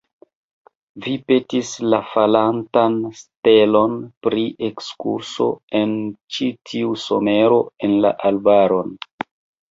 Vi petis la falantan stelon pri ekskurso en ĉi tiu somero en la arbaron.